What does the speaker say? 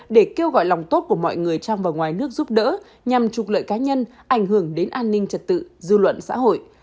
để kêu gọi lòng tốt của mọi người trong và ngoài nước giúp đỡ nhằm trục lợi cá nhân ảnh hưởng đến an ninh trật tự dư luận xã hội